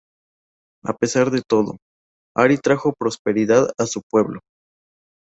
A pesar de todo, Ari trajo prosperidad a su pueblo.